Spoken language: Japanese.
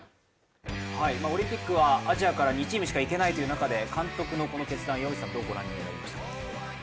オリンピックはアジアから２チームしかいけないという中で、監督のこの決断、岩渕さんはどうご覧になりましたか。